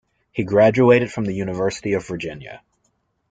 He graduated from the University of Virginia.